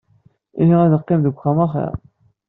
Ihi ad neqqim deg uxxam axir.